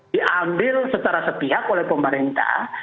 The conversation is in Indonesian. diambil secara sepihak oleh pemerintah